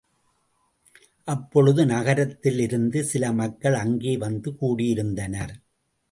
அப்பொழுது நகரத்திலிருந்து சில மக்கள் அங்கே வந்து கூடியிருந்தனர்.